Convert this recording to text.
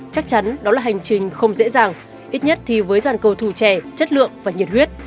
chắc chắn đó là hành trình không dễ dàng ít nhất thì với dàn cầu thủ trẻ chất lượng và nhiệt huyết